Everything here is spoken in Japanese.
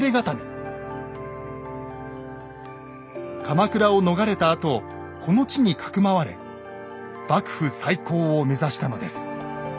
鎌倉を逃れたあとこの地にかくまわれ幕府再興を目指したのです。